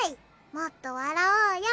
もっと笑おうよ。